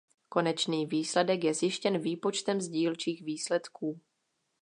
Konečný výsledek je zjištěn výpočtem z dílčích výsledků.